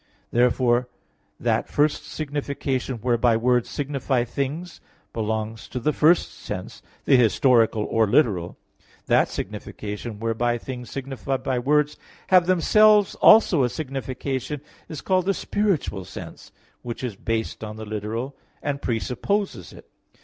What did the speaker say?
Therefore that first signification whereby words signify things belongs to the first sense, the historical or literal. That signification whereby things signified by words have themselves also a signification is called the spiritual sense, which is based on the literal, and presupposes it.